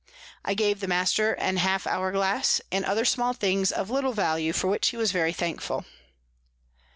I gave the Master an Half hour Glass, and other small things of little Value, for which he was very thankful.